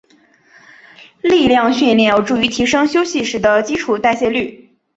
力量训练有助于提升休息时的基础代谢率。